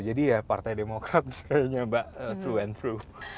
jadi ya partai demokrat selainnya mbak selalu berjalan